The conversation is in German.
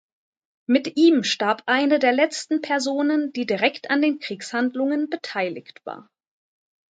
Mit ihm starb eine der letzten Personen, die direkt an den Kriegshandlungen beteiligt war.